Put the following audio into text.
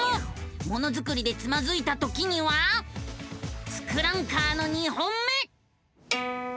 ものづくりでつまずいたときには「ツクランカー」の２本目！